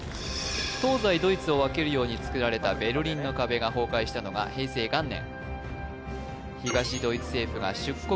東西ドイツを分けるようにつくられたベルリンの壁が崩壊したのが平成元年